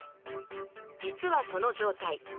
実はその状態